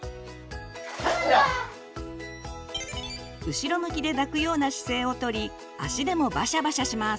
後ろ向きで抱くような姿勢をとり足でもバシャバシャします。